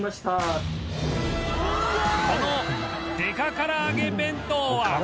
このデカ唐揚げ弁当は